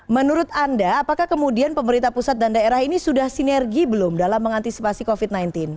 menurut anda apakah kemudian pemerintah pusat dan daerah ini sudah sinergi belum dalam mengantisipasi covid sembilan belas